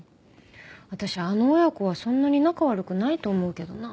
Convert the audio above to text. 私あの親子はそんなに仲悪くないと思うけどな。